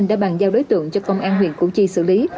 đã bàn giao đối tượng cho công an huyện củ chi xử lý